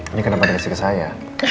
ini kenapa dikasih ke saya